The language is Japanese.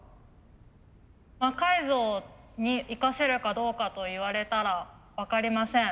魔改造に生かせるかどうかと言われたら分かりません。